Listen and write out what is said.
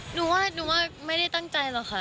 หนูว่าไม่เป็นตั้งใจหรอกคะ